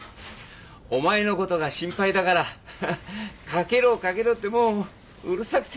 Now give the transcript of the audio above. お前のことが心配だからかけろかけろってもううるさくて。